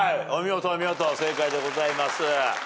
お見事正解でございます。